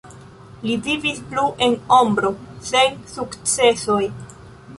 Li vivis plu en "ombro" sen sukcesoj.